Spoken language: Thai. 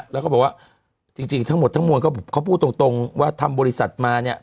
แล้วก็บอกว่าจริงทั้งหมดทั้งมวลเขาพูดตรงว่าทำบริษัทมาเนี่ย